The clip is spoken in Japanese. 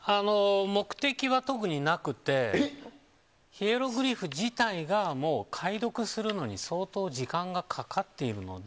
目的は特になくてヒエログリフ自体がもう解読するのに相当時間がかかっているので。